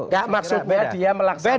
gak maksudnya dia melaksanakan